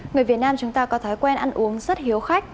người việt nam chúng ta có thói quen ăn uống rất hiếu khách